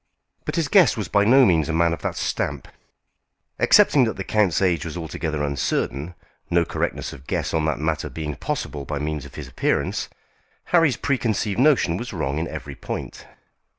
But his guest was by no means a man of that stamp. Excepting that the count's age was altogether uncertain, no correctness of guess on that matter being possible by means of his appearance, Harry's preconceived notion was wrong in every point.